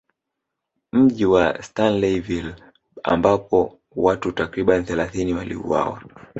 Mji Wa Stanleyville ambapo watu takribani thelathini waliuawa